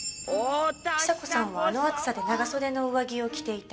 久子さんはあの暑さで長袖の上着を着ていた。